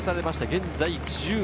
現在１０位。